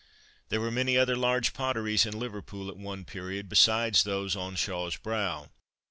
There were many other large potteries in Liverpool at one period, besides those on Shaw's Brow.